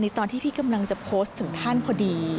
ตอนที่พี่กำลังจะโพสต์ถึงท่านพอดี